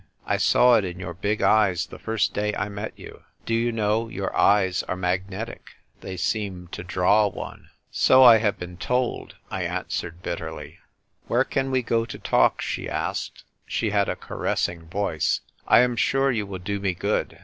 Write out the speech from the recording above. I saw it in your big eyes the first day 1 met you. Do you know, your eyes are magnetic; they seem to draw one." '• WHEREFORE ART THOU ROMEO ?" 233 " So I have been told," I answered bitterly. " Where can we go to talk ?" she asked. She had a caressing voice. " I am sure you will do me good.